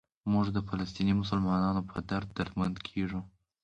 موږ د فلسطیني مسلمانانو په درد دردمند کېږو.